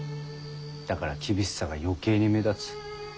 だから厳しさが余計に目立つ。